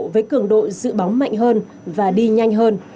với cường độ dự báo mạnh hơn và đi nhanh hơn